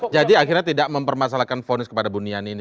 jadi akhirnya tidak mempermasalahkan vonis kepada buniani ini